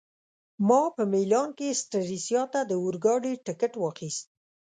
ما په میلان کي سټریسا ته د اورګاډي ټکټ واخیست.